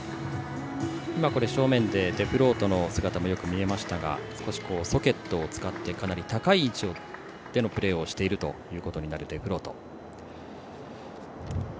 正面でデフロートの姿がよく見えましたがソケットを使って高い位置でのプレーをしているというデフロート。